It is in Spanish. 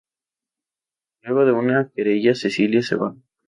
Luego de una querella Cecilia se va.